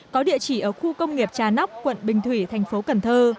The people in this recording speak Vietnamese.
có địa chỉ ở khu công nghiệp trà nóc quận bình thủy thành phố cần thơ